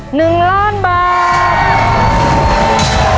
หนึ่งล้านบาท